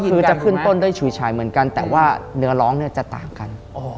คือจะขึ้นต้นด้วยฉุยฉายเหมือนกันแต่ว่าเนื้อร้องเนี่ยจะต่างกัน